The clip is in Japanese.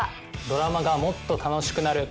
ドラマがもっと楽しくなる。